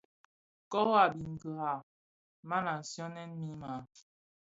Koro a biňkira, man a siionèn mii maa.